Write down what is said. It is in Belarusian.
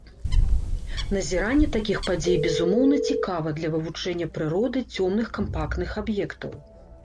Назіранне такіх падзей безумоўна цікава для вывучэння прыроды цёмных кампактных аб'ектаў.